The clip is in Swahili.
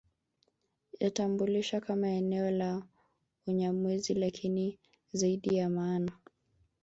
Yatambulisha kama eneo la Unyamwezi lakini zaidi ya maana